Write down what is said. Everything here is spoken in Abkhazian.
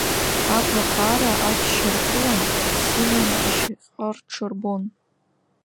Абла хаара ачча рхылан, сымҩан ашьаҟа ҽырбон.